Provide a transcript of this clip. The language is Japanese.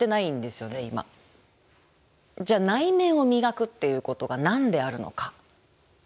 じゃあ内面を磨くっていうことが何であるのか。